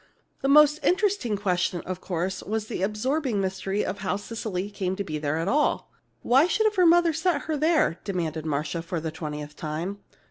The most interesting question, of course, was the absorbing mystery of how Cecily came to be there at all. "Why should her mother have sent her there?" demanded Marcia, for the twentieth time.